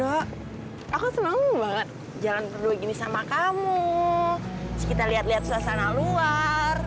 aku senang banget jalan berdua gini sama kamu kita lihat lihat suasana luar